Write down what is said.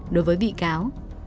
đối với bị cáo